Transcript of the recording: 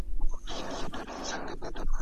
تاند ویبپاڼه د تاريخي څېړنو لپاره يو ښه بستر دی.